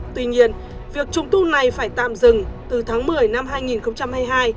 tuy nhiên việc trùng tu này phải tạm dừng từ tháng một mươi năm hai nghìn hai mươi hai